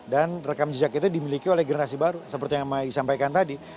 dan rekam jejak itu dimiliki oleh generasi baru seperti yang disampaikan tadi